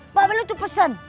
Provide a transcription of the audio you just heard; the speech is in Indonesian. mbak belu itu pesen